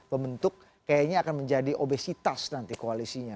pembentuk kayaknya akan menjadi obesitas nanti koalisinya